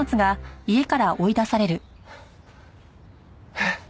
えっ？